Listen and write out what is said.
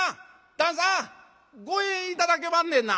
旦さん五円頂けまんねんな？